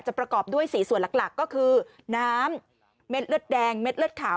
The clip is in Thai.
ประกอบด้วย๔ส่วนหลักก็คือน้ำเม็ดเลือดแดงเม็ดเลือดขาว